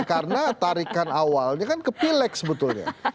karena tarikan awalnya kan ke pileks sebetulnya